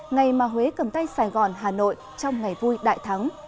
ngày mà huế cầm tay sài gòn hà nội trong ngày vui đại thắng